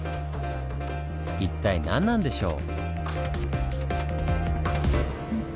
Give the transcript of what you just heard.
一体何なんでしょう？